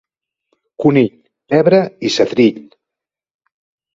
Conill, pebre i setrill.